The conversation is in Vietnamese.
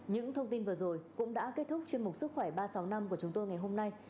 những thông tin vừa rồi cũng đã kết thúc chuyên mục sức khỏe ba trăm sáu mươi năm của chúng tôi ngày hôm nay